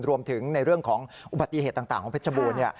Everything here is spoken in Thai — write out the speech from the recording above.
รวมถึงในเรื่องของอุบัติเหตุต่างของเพชรบูรณ์